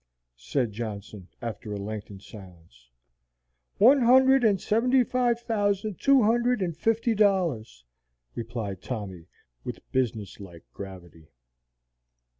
said Johnson, after a lengthened silence. "One hundred and seventy five thousand two hundred and fifty dollars," replied Tommy, with business like gravity.